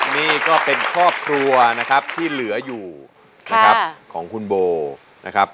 นี่ก็เป็นครอบครัวนะครับที่เหลืออยู่นะครับของคุณโบนะครับ